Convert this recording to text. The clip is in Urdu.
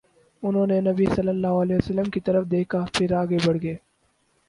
انھوں نے نبی صلی اللہ علیہ وسلم کی طرف دیکھا، پھر آگے بڑھ گئے